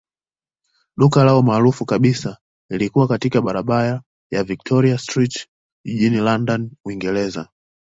Duka lao maarufu kabisa lilikuwa katika barabara ya Victoria Street jijini London, Uingereza.